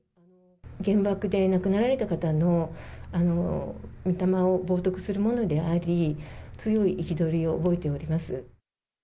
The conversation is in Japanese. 原爆で亡くなられた方の御霊を冒とくするものであり、強い憤りを覚えております。